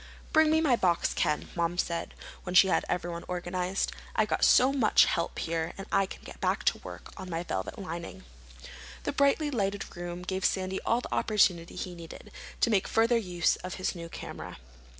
"Bring me my box, Ken," Mom said, when she had everyone organized. "I've got so much help here I can get back to work on my velvet lining." The brightly lighted room gave Sandy all the opportunity he needed to make further use of his new camera.